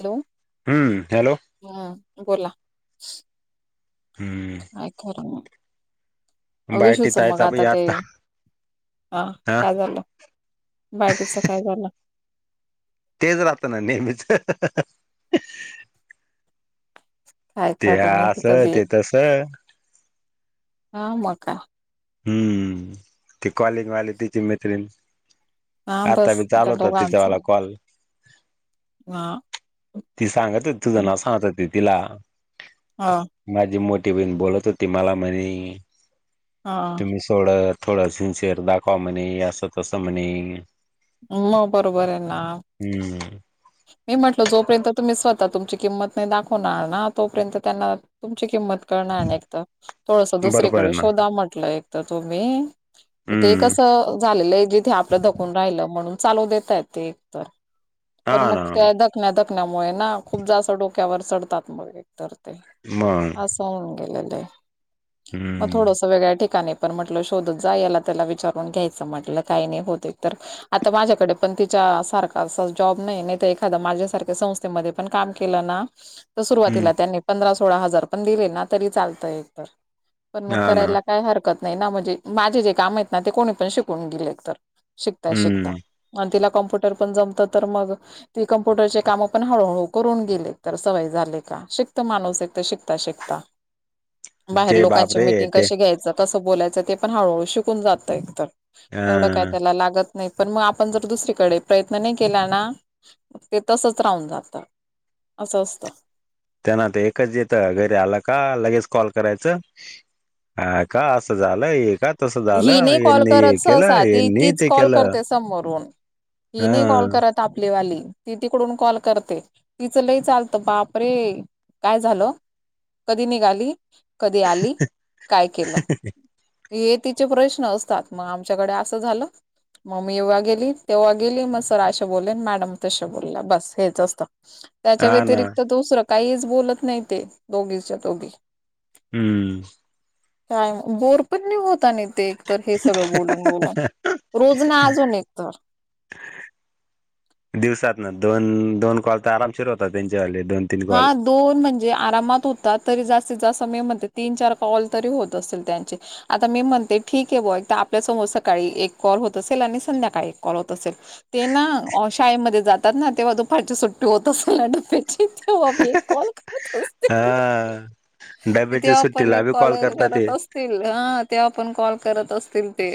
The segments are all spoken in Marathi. हॅलो? हम्म. हॅलो? हम् बोला, हम्म काय खरं ना बायटी विशूच मग तायचा बी आता ते, हं हा काय झालं? बाकीचं काय चालं? तेच राहत ना नेहमीच. काय ते खरं नाही, तिथं असं बी ते तसं हा मग काय. हम्म. ते कॉलेजवाले तिची मैत्रिण हा बस आताबी त्या चालु होता दोघांचं तिच्यावाला कॉल. हा. ती सांगत होती तुझ नाव, सांगत तिला. हा. माझी मोठी बहिण बहीण बोलत होती मला म्हणे. हा. मि सोडं थोडं सिन्सियर दाखवा म्हणे असं तसं म्हणे. म बरोबर आये ना. हम्म. मी म्हटल जोपर्यंत तुम्ही स्वतः तुमची किंमत नाही दाखवणार ना, तोपर्यंत त्यांना तुमची किंमत कळणार नाइ एकत, थोडस बरोबर दुसरीकडे आहे ना शोधा म्हटलं एक तर तुम्ही. ते एक हम्म कसं झालेलं आहे जिथे आपलं धकून राहिलं, म्हणून चालू देताय ते एक तर हा पण मग ना त्या धकण्या धकण्यामुळे ना, खूप जास्त डोक्यावर चढतात मग एकतर ते. मग? साउंड याय लागलंय म हम्म थोडसं वेगळ्या ठिकाणी पण म्हटलं शोधत जा, याला त्याला विचारून घ्यायचं म्हटलं काही नाही होते तर. आता माझ्याकडे पण तिच्या सारखा अस जॉब नाही, नाहीतर एखादा माझ्यासारख्या संस्थेमध्ये पण काम केलं ना, तर हम्म सुरुवातीला त्यांनी पंधरा-सोळा हजार पण दिले ना तरी चालत एक तर पण मग हा ना करायला काही हरकत नाही ना, म्हणजे माझे जे काम आहेत ना ते कोणी पण शिकून गेइल एक तर शिकता शिकता. हम्म अं तिला कॉम्प्युटर पण जमतं तर मग ती कम्प्युटरचे काम पण हळूहळू करून गेइल तर सवय झाले का, शिकत माणूस एकदा शिकता शिकता. [unintelligible] बाहेर ते लोकांची बापरे मिटिंग ते कशी घ्यायचं? तसं बोलायचं ते पण हळूहळू शिकून जात एकतर, एवढं काय अ त्याला लागत नाही पण मग आपण जर दुसरीकडे प्रयत्न नाही केल ना, ते तसच राहून जात, असं असत. त्यांना तर एकच येत घरी आलं का लगेच कॉल करायचं. हा का? असं झालं एक हि नाही कॉल करत सहसा, ती यांनी तीच ते कॉल केलं करते समोरून. हा तेनी कॉल करत तापलेवाली ती तिकडून कॉल करते, तिचं लई चालत बाप रे काय झालं? कधी निघाली? कधी आली? काय केलं? हे तिचे प्रश्न असतात, मग आमच्याकडे असं झालं. मग मी एव्हा गेली, तेव्हा गेली मग सर अशा बोलेन मॅडम तश बोलला बस हेच असतं. [inaudible] त्याच्या ना व्यतिरिक्त दुसरं काहीच बोलत नाही ते दोघेच्या दोघे हम्म काय बोर पण नाही होता नाही ते एक तर हे सगळं बोलून बोलून रोज ना अजून निघत दिवसातन दोन, दोन कॉल तर आरामशिर होतात त्यांचे वाले दोन. तीन कॉल हा दोन म्हणजे आरामात होतात तरी जास्तीत जास्त समय म्हणते तीन चार कॉल तरी होत असतील त्यांचे आता मी म्हणते ठीक आहे बुआ एक तर आपल्यासमोर सकाळी एक कॉल होत असेल आणि संध्याकाळी एक कॉल होत असेल ते ना शाळेमध्ये जातात ना तेव्हा दुपारची सुट्टी होत असल्या डप्प्याची [unintelligible] हा ते डब्याच्या तेव्हा पण सुट्टीला एक बी कॉल करतात ते करत हा तेंव्हा पण कॉल करत असतील ते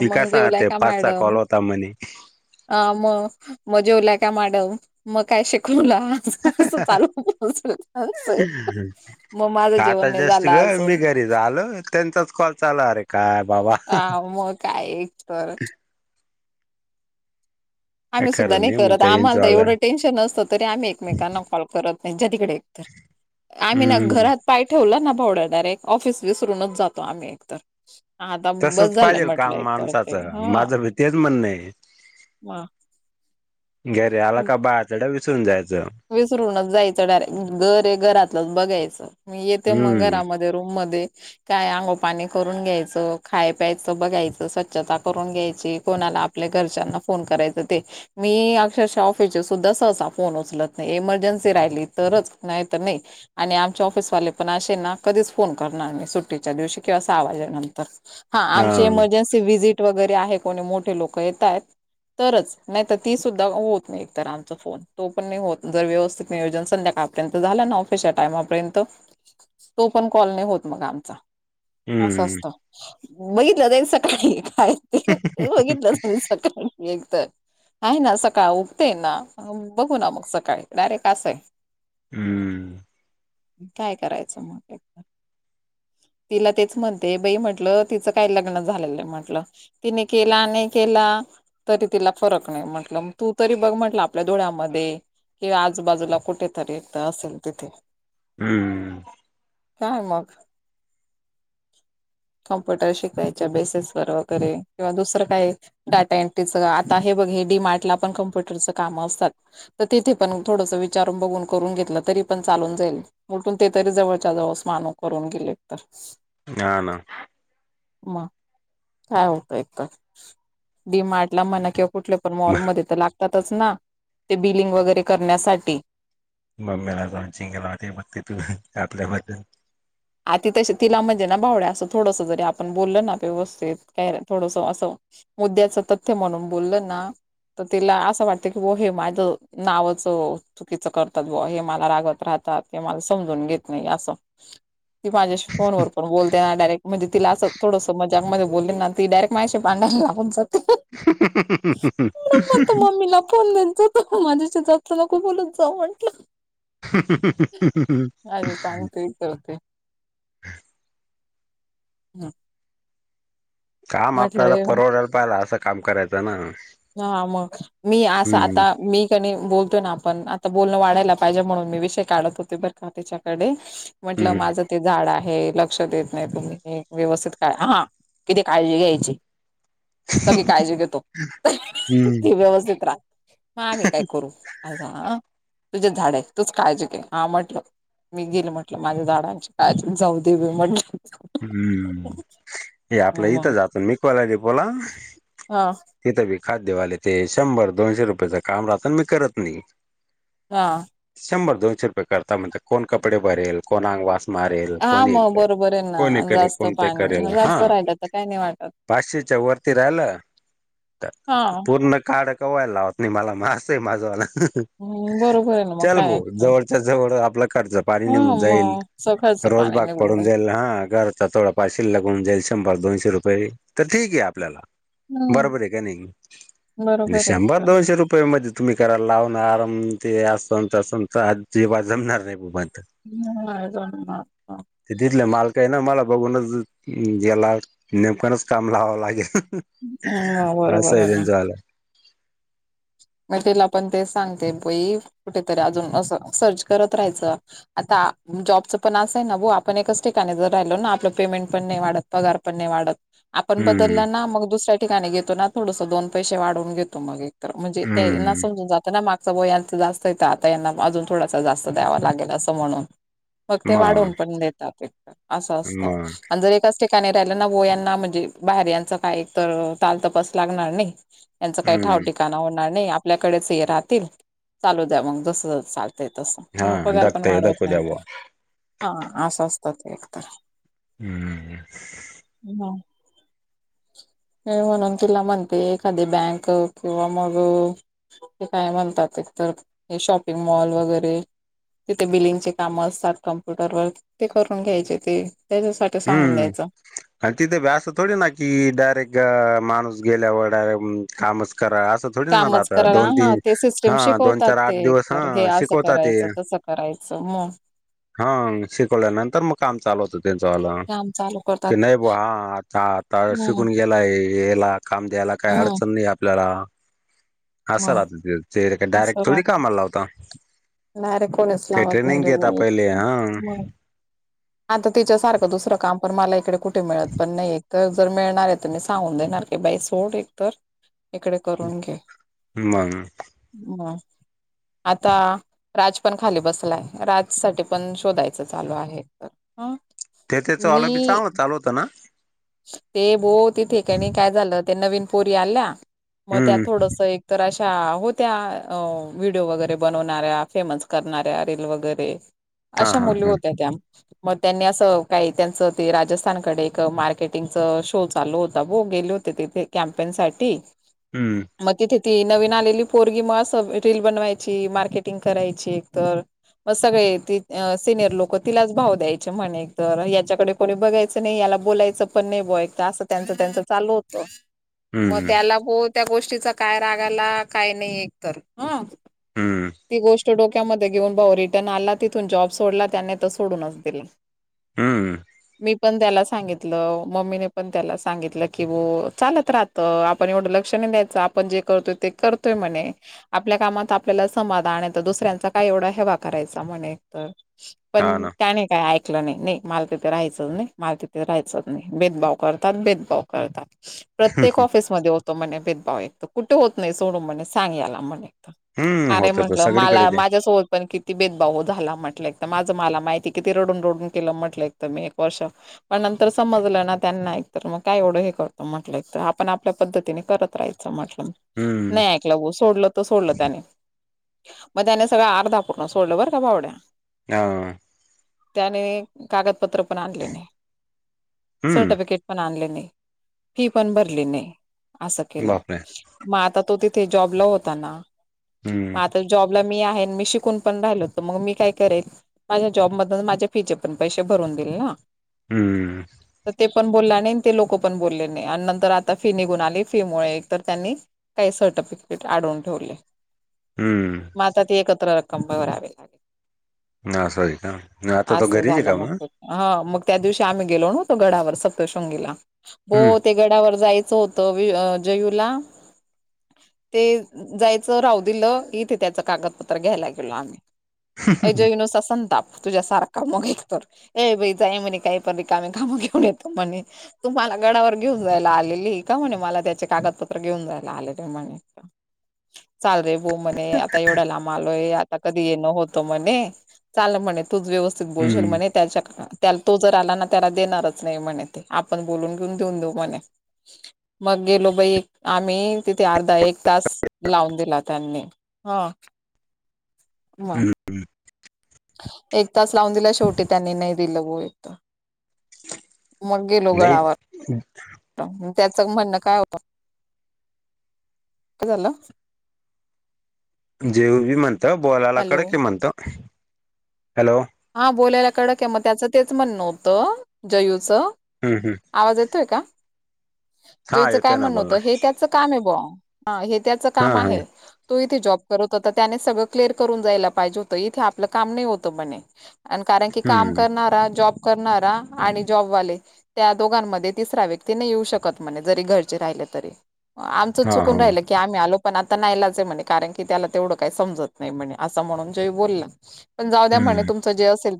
ती काय मग जेवलाय सांगते का पाच सहा मॅडम? कॉल होता म्हणे ह मग मग जेवलाय का मॅडम मग काय शिकवला अस असं चालूचल- [unintelligible] आता जेस्ट ग मी घरी आलो, त्यांचाच कॉल चालू अरे काय बाबा हा मग काय एक तर काय आम्ही सुद्धा खरं नाही करत मग यांचं आम्हाला तर वालं एवढं टेन्शन नसतं तरी आम्ही एकमेकांना कॉल करत नाहीच्या तिकडे तर आम्ही ना हम्म घरात पाय ठेवला ना [unintelligible] डायरेक्ट ऑफिस विसरूनच जातो आम्ही एकत तर तसच पाहिजेल काम ते माणसाचं माझं हा भी तेच म्हण ये. घरीे आला का बाहेर तड विसरून जायचं विसरूनच जायचं डायरेक्ट घर आहे, घरातलंच बघायचं, मी येते मग हम्म घरामध्ये त्या रूम मध्ये काय अंघोळ पाणी करून घ्यायचं खाय प्यायचं बघायचं स्वच्छता करून घ्यायची कोणाला आपल्या घरच्यांना फोन करायचं ते मी अक्षरशः ऑफिस सुद्धा सहसा फोन उचलत नाही एमर्जन्सी राहिली तरच नाही तर नाही आणि आमचे ऑफिसवाले पण असे ना कधीच फोन करणार सुट्टीच्या दिवशी किंवा सहा वाजेनंतर हा आमची इमर्जन्सी व्हिजिट वगैरे आहे, कोणी मोठे लोक येत आहेत. तरच नाहीत ती सुद्धा होत नाही एकत आमचा फोन तो पण नाही होत जर व्यवस्थित नियोजन संध्याकाळपर्यंत झालं ना ऑफिसच्या टाइमापर्यंत तो पण कॉल नाही होत मग आमचा असं हम्म असत बघितलं जाईल सकाळी काय बघितलं असेल सकाळी एक तर आहे ना सकाळी उठते ना बघू ना मग सकाळी काय डायरेट असं आहे हम्म काय करायचं मग एकदा [inaudible] तिला तेच म्हणते बाई म्हटलं, तिचं काय लग्न झालेलं म्हटलं तिने केला नाही केला तरी तिला फरक नाही म्हटलं तू तरी बघ म्हटलं आपल्या धुळ्यामध्ये कि आजूबाजूला कुठेतरी इथे असेल तिथे हम्म काय मग कॉम्प्युटर शिकायच्या बेसीस वर वगैरे किंवा दुसरं काय आये? डाटा एंट्रीचं आता हे बघ हे डी मार्ट ला पण कम्प्युटरचं काम असतात. तर तिथे पण थोडस विचार बघून करून घेतलं तरी पण चालून जाईल उलठून ते तरी जवळच्या जवळ [unintelligible] करून गेले तर हा ना मग काय होतं एक डी मार्टला म्हणा किंवा कुठल्या पण मॉलमध्ये तर लागतातच ना ते बिलिंग वगैरे करण्यासाठी बम्बईला लॉनचिंग केेलं होते बघते तू आपल्याबद्दल आ ती त तिला म्हणजे ना भावड्या असं थोडस जरी आपण बोलल ना व्यवस्थित काय थोडस अस मुद्द्याचं तथ्य म्हणून बोललं ना तर तिला असं वाटतं की व हे माझं नावाचं चुकीचं करतात बुवा, हे मला रागवत राहतात, हे मला समजून घेत नाही असं. ती माझ्याशी फोनवर पन बोलते ना डायरेक्ट म्हणजे तिला असं थोडसं मजाकमध्ये बोलले ना डायरक्ट माझ्याशी भांडण लावून जात मग त मम्मीला फोन देत ज माझ्या शी जास्त नको बोलत जाऊ म्हंटलं. ह हा हा ते करते हम काम आपल्याला म्हटलं परवडायला पाहिजेल असं काम करायचं ना हा मग मी अस हम्म आता मी त्यांनी बोलतोय ना आपण आता बोलणं वाढायला पाहिजे म्हणून मी विषय काढत होते बरं का त्याच्याकडे म्हटलं हम्म माझं ते झाड आहे लक्ष देत नाही तुम्ही व्यवस्थित काय हा किती काळजी घ्यायची. सगळी काळजी घेतो. हम्म ती व्यवस्थित राह हा आम्ही काय करू आझ तुझे झाडे आहे तूच काळजी घ आहे हा म्हटलं मी घेईल म्हटलं माझ्या झाडांची काळजी जाऊ दे बाई म्हटल हम्म हे आपलं इथं जात मी कोला र बोला हा तिथं बी खाद्यवाले ते शंभर दोनशे रुपयाच काम राहत ना मी करत नाही. हा शंभर दोनशे रुपये करता म्हणत कोण कपडे भरेल कोण आंगवास मारेल कोण एक जाल बरे ना जास्त पाणी जास्त राहिलं तर काय नाही वाटत. पाचशेच्या वरती राहिलं हा पूर्ण काळ केव्हा लावायला लावत नाही मला अस आहे माझवाला बरोबर आहे ना मग चल काय बो ऐकत जवळच्या जवळ आपला खर्च पाणी हा निघून जाईल. मग सकाळचं पाणी रोलबाग निघून पडून जाईल जाईयला हा घरचा थोडा फार शिल्लक होऊन जाईल शंभर दोनशे रुपये तर ठीक आहे आपल्याला हम्म बरोबर आहे का नाही? म्हणजे बरोबर आहे शंभर एकदम दोनशे रुपये मध्ये- तुम्ही करायला लावून आराम ते अस संत अस जेव्हा जमणार नाही बुबांत [inaudible] तिथल्या मालकाला काही ना मला बघूनच याला नेमकच काम लावावं लागेल ह असं बरोबर आहे ना त्यांचं आलं मटला पण ते सांगते पई कुठेतरी अजून असं सर्च करत राहायचं आता जॉबचं पण असं आहे ना भाऊ आपण एकच ठिकाणी जर राहिलो ना आपलं पेमेंट पण नाही वाढत पगार पण नय वाढत. आपण हम्म बदलला ना मग दुसऱ्या ठिकाणी घेतो ना थोडस दोन पैसे वाढवून घेतो मग एक तर म्हणजे ते त्यांना हम्म समजून जात ना मागचं बो यांच जास्त येत आता यांना अजून थोडासा जास्त द्यावा लागेल असं म्हणून मग ते वाढून पण देतात असं असतं मग आणि जर एकाच ठिकाणी ठिकाणी राहिलाना वो यांना म्हणजे बाहेर यांच काही तर तालतपास लागणार नाही. यांच काही ठाव हम्म ठिकाणा होणार नाही आपल्याकडेच हे राहतील चालू द्या मग जसस चाल ते तस हा पगार पण दाखतय वाढवत दाखव नाही द्या ते बुवा हा असं असतात एकतर ह ह हे म्हणून तुला म्हणते एखादी बँक किंवा मग ते काय म्हणतात एकतर हे शॉपिंग मॉल वगैरे तिथे बिलिंगचे काम असतात कम्प्युटर व ते करून घ्यायचे ते त्याच्यासाठी सांगून हम्म द्यायचं आणि तिथे अस थोडी ना की डायरेक्ट माणूस गेल्यावर डायरेक्ट कामच करा असं थोडी ना कामच राहता करायला दोन ह तीन ते हा सिस्टम दोन शिकवतात चार आठ ते एक दिवस हा तर हे असं शिकवतात ते करायचं तस करायचं मग हां शिकवल्यानंतर मग काम चालव होतं. काम चालू त्यांच करतात की नाही ब हा आता हम्म शिकूने याला याला काम द्यायला काही हम्म अडचण नाही आपल्याला असं मग राहत ते ते असं डायरेक्ट थोडी राहत कामाला लावता डायरेक्ट कोणीच ते लावत नाही ट्रेनिंग रे देत बोल पहिले हा मग आता तिच्यासारखं दुसरं काम पण मला इकडे कुठे मिळत पण नाही तर जर मिळणार आहे तर मी सांगून देणार की बाई सोड एकतर इकडे करून घे मग हम आता राज पण खाली बसलाय, राजसाठी पण शोधायचं चालू आहे तर- ह ते त्याचं आलंी मी चांग चाल होतं ना ते बो तीथे कणी काय झाल, ते नवीन पोरी आल्या. मग त्यात हम्म थोडस एक तर अशा होत्या व्हिडिओ वगैरे बनवणाऱ्या फेमस करणाऱ्या रील वगैरे हा अशा हा मुली हा होत्या त्या. मग त्यांनी असं काही त्यांचं ते राजस्थानकडे एक मार्के कटिंग चा शो चालू होता बो. गेले होते तिथे कॅम्पेन साठी. हम्म मग तिथे ती नवीन आलेली पोरगी म अस रील बनवायची. मार्केटिंग करायची. एकतर मग सगळे ते सिनियर लोक तिलाच भाव द्यायचे म्हणे, एकतर याच्याकडे कोणी बघाचं नाही. याला बोलायचं पण नाही बो. अस त्यांच त्यांच चालू होत. मग हम्म त्याला बो त्या गोष्टीचा काय राग आला काय नाही एकतर ह हम्म ती गोष्ट डोक्यामध्ये घेऊन भाऊ रिटर्न आला तिथून जॉब सोडला त्यांने तर सोडूनच दिला. हम्म मी पण त्याला सांगितल. मम्मीने पण त्याला सांगितलं की हो चालत राहत. आपण एवढं लक्ष नाही द्यायचं. आपण जे करतोय ते कर तो म्हणे आपल्या कामात आपल्याला समाधान आहे तर दुसऱ्यांचा काय एवढा हेवा करायचा म्हणे. एकतर हा पण ना त्याने काही ऐकलं नाही. नाही मला तिथे राहायचंच नाही. मला तिथे राहायचंच भेदभाव करतात. भेदभाव करतात. प्रत्येक ऑफिस होतो म्हणे भेदभाव. एक तर कुठे होत नाही सोनु म्हणे सांग याला म्हणे. हम्म अरे होत तर म्हटलं सगळीकडे मला ते माझ्यासोबत पण किती भेदभाव झाला म्हटल. एकतर माझं मला माहितीये. किती रडून रडून केल म्हटल एकत मी एक वर्ष. पण नंतर समजल ना त्यांना एकतर मग काय एवढं हे करतो म्हटल. एक तर आपण आपल्या पद्धतीने करत राहायच म्हटल. हम्म नाही सोडलं तर सोडलं त्याने. मग त्याने सगळ अर्धा अपूर्ण सोडलं बरं का भावड्या. [unintelligible] त्याने कागदपत्र पण आणले नाही. हम्म सर्टिफिकेट पण आणले नाही. फी पण भरली नाही. आस केल. बापरे मग आता तो तिथे जॉबला होता ना. हम्म म आत तर जॉबला मी आहे. मी शिकून पण राहिलो होतो. त मग मी काय करेल. माझ्या जॉब मधनच माझ्या फीचे पण पैसे भरून देईल ना. हम्म तर ते पण बोलला नाही. ते लोक पण बोलले नाही. आणि नंतर आता फि निघून आली. फी मुळे एक तर त्यांनी काही सर्टिफिकेट अडवून ठेवले. हम्म मग आता ती एकत्र रक्कम भरावी लागेल. आस आहे का. नाही आता तो असं घरीच आहे झालं का म. मग हा मग त्या दिवशी आम्ही गेलो. नव्हतो गडावर सप्तशृंगीला. बो हम्म ते गडावर जायचं होत जयूला. ते जायच राहु दिल. इथे त्यांच कागदपत्र घ्यायला गेलो आम्ही. अ जयु नुसता संताप तुझ्यासारखा. मग एक तर ए बाई जाय म्हणे काय तरी रीकामे काम घेऊन येता म्हणे. तुम्हाला गडावर घेऊन जायला आलेली का म्हणे. मला त्याचे कागदपत्र घेऊन जायला आलेली आहे म्हणे. चाल रे बो म्हणे. आता एवढ्या लांब आलोय. आता कधी येण होत. णे चाल म्हणे. तूच व्यवस्थित बोलशील हम्म म्हणे. त्याच त्याल तोच जर आला ना त्याला देणारच नाही म्हणे. ते आपण बोलून घेऊन देऊन देऊ म्हणे. मग गेलो बाई आम्ही. तिथे अर्धा एक तास लावून दिला त्यांनी. हा मग हम्म एक तास लावून दिला शेवटी त्यांनी नाही दिलं हो य. मग गेलो गळावर. अच्छा. त्याच म्हणणं काय होत झालं. जेवी म्हणत बोलायला हॅलो कडे कि म्हणतो हॅलो. हा बोलायला कडं क मग त्याचं तेच म्हण नव्हतं जयूचं हम् हम्. आवाज येतोय का? हा जोईचं काय येतोय ना म्हणणं बोलणं होतं हे त्याच काम आहे ब त्याच हा काम हा आहे. तो इथे जॉब करत होता. त्याने सगळं क्लिअर करून जायला पाहिजे होतं इथे आपलं काम नाही होतं. म्हणे आणि कारण की काम हम्म करणारा जॉब करणारा आणि जॉबवाले. त्या दोघांमध्ये तिसऱ्या व्यक्तीने येऊ शकत म्हणे जरी घरचे राहिले तरी. आमचंच हा हा चुकून राहिलं. की आम्ही आलो पण आता नाहीलाच म्हणे कारण की त्याला तेवढं काही समजत नाही म्हणे असं म्हणून जे बोलला.. पण जाऊ द्या म्हने हम्म तुमचं जे असेल..